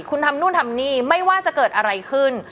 คุณทำนู่นทำนี่ไม่ว่าจะเกิดอะไรขึ้น